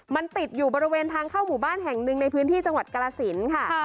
มันติดอยู่บริเวณทางเข้าหมู่บ้านแห่งหนึ่งในพื้นที่จังหวัดกรสินค่ะ